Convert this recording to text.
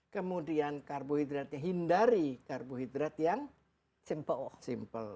kemudian karbohidratnya hindari karbohidrat yang simple